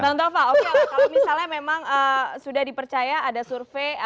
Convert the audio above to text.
bang dova oke kalau misalnya memang sudah dipercaya ada suruh suruhnya itu ya